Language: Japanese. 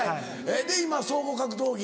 で今総合格闘技？